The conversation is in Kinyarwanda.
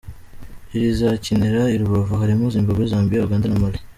Irizakinira i Rubavu harimo Zimbabwe, Zambia, Uganda na Mali.